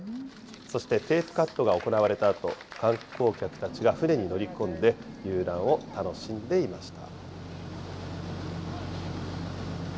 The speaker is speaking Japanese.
そしてテープカットが行われたあと、観光客たちが船に乗り込んで遊覧を楽しんでいました。